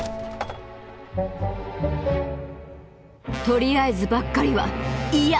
とりあえずばっかりは嫌！